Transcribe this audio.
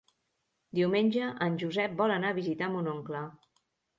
Diumenge en Josep vol anar a visitar mon oncle.